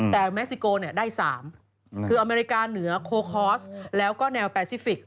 แต่เม็กซิโกได้๓คืออเมริกาเหนือโคคอสแล้วก็แนวแปซิฟิกส